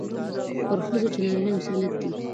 پر ښځو چې نارينه مسلط دي،